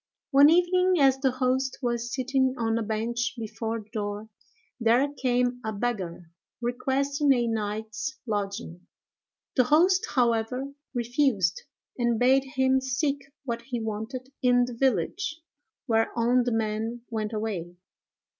One evening, as the host was sitting on a bench before the door, there came a beggar, requesting a night's lodging. The host, however, refused, and bade him seek what he wanted in the village; whereon the man went away.